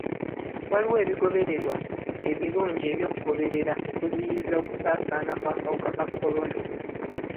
Waliwo ebigobererwa ebirungi eby'okugoberera okuziyiza okusaasaana kw'akawuka ka kolona.